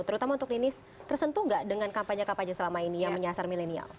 terutama untuk linis tersentuh nggak dengan kampanye kampanye selama ini yang menyasar milenial